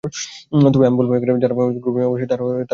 তবে আমি বলব, যারা গ্রপিং আবিষ্কার করতে চায়, তারা হতাশ হবে।